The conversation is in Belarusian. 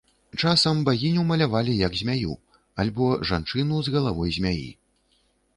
Часам багіню малявалі як змяю альбо жанчыну з галавой змяі.